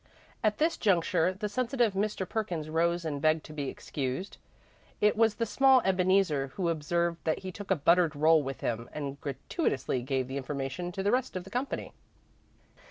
At this juncture the sensitive Mr. Perkins rose and begged to be excused. It was the small Ebeneezer who observed that he took a buttered roll with him, and gratuitously gave the information to the rest of the company.